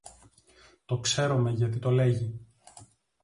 Το ξέρομε γιατί το λέγει